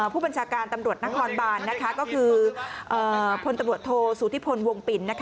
ผู้บัญชาการตำรวจนครบานพตโธสุธิพลวงปิน